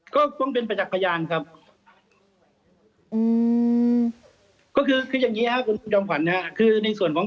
ก็ต้องเป็นประจักษ์พยานครับ